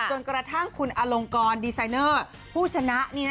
จนกระทั่งคุณอลงกรดีไซเนอร์ผู้ชนะ